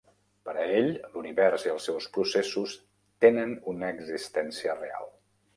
Per a ell, l'univers i els seus processos tenen una existència real.